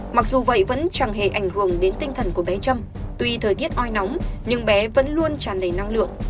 mặc dù vậy vẫn chẳng hề ảnh hưởng đến tinh thần của bé trâm tuy thời tiết oi nóng nhưng bé vẫn luôn tràn đầy năng lượng